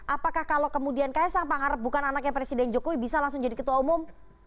apakah kalau kemudian kaisang pangarap bukan anaknya presiden jokowi bisa langsung jadi ketua umum